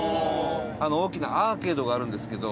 大きなアーケードがあるんですけど。